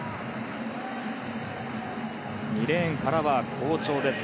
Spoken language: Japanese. ２レーンからは好調です。